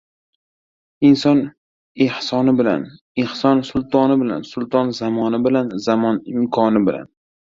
Inson ehsoni bilan, ehson sultoni bilan, sulton zamoni bilan, zamon imkoni bilan